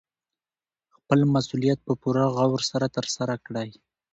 خپل مسوولیت په پوره غور سره ترسره کړئ.